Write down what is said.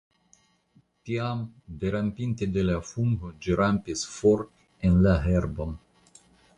Tiam, derampinte de la fungo, ĝi rampis for en la herbon.